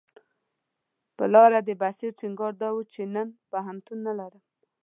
پر لاره د بصیر ټینګار دا و چې نن پوهنتون نه لرم.